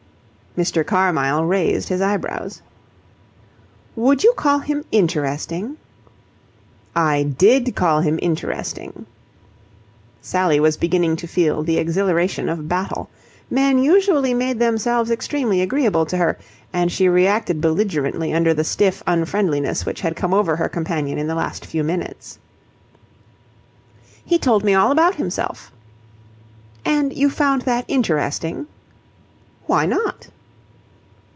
Mr. Carmyle raised his eyebrows. "Would you call him interesting?" "I did call him interesting." Sally was beginning to feel the exhilaration of battle. Men usually made themselves extremely agreeable to her, and she reacted belligerently under the stiff unfriendliness which had come over her companion in the last few minutes. "He told me all about himself." "And you found that interesting?" "Why not?"